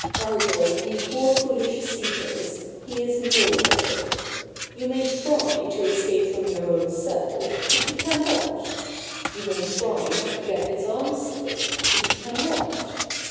Argal, ye poor foolish seekers, He is nowhere." You may try to escape from your own Self, but you cannot ; you may try to forget its answer, but you cannot.